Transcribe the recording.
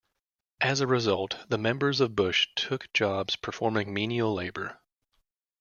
As a result, the members of Bush took jobs performing menial labour.